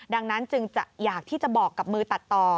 ดังนั้นจึงอยากที่จะบอกกับมือตัดต่อ